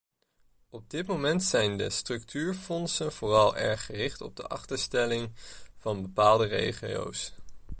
Op dit moment zijn de structuurfondsen vooral erg gericht op achterstelling van bepaalde regio's.